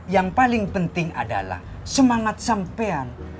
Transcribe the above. yang paling penting adalah semangat sampean